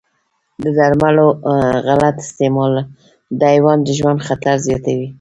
د درملو غلط استعمال د حیوان د ژوند خطر زیاتوي.